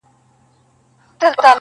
یو پر بل به یې حملې سره کولې -